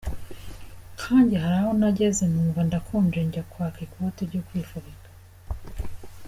Nkanjye hari aho nageze numva ndakonje njya kwaka ikote ryo kwifubika.